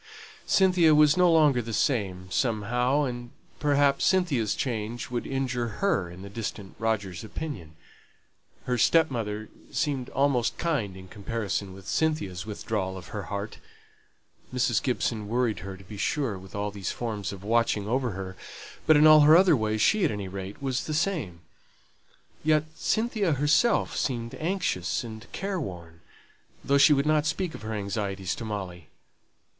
Cynthia was no longer the same, somehow: and perhaps Cynthia's change would injure her in the distant Roger's opinion. Her stepmother seemed almost kind in comparison with Cynthia's withdrawal of her heart; Mrs. Gibson worried her, to be sure, with all these forms of watching over her; but in all her other ways, she, at any rate, was the same. Yet Cynthia herself seemed anxious and care worn, though she would not speak of her anxieties to Molly.